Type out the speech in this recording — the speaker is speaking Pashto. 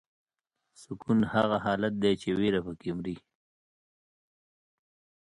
سکون هغه حالت دی چې ویره پکې مري.